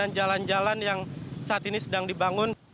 dan jalan jalan yang saat ini sedang dibangun